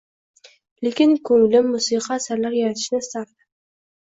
Lekin ko’nglim musiqiy asarlar yaratishni istardi.